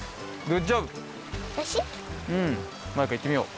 うんマイカいってみよう！